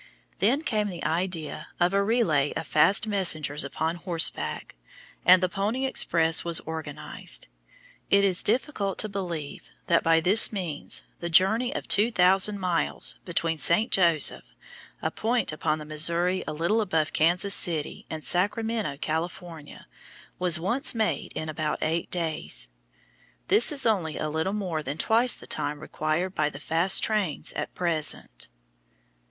Then came the idea of a relay of fast messengers upon horseback, and the pony express was organized. It is difficult to believe that by this means the journey of two thousand miles between St. Joseph, a point upon the Missouri a little above Kansas City, and Sacramento, California, was once made in about eight days. This is only a little more than twice the time required by the fast trains at present.